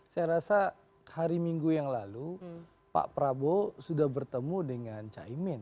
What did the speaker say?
saya rasa hari minggu yang lalu pak prabowo sudah bertemu dengan caimin